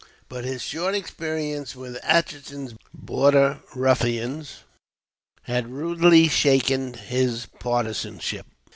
But his short experience with Atchison's Border Ruffians had already rudely shaken his partisanship.